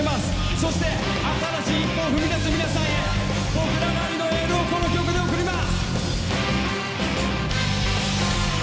そして新しい一歩を踏み出す皆さんに僕らなりのエールをこの曲で送ります。